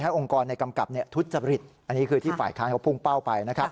ให้องค์กรในกำกับทุษฎาผลิตอันนี้คือที่ฝ่ายค้านเขาพุ่งเป้าไป